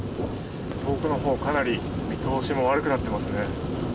奥のほう、かなり見通しも悪くなってますね。